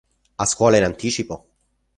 A scuola in anticipo?